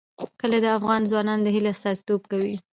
کلي د افغان ځوانانو د هیلو استازیتوب کوي.